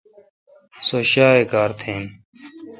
سو شیاے کار تھین۔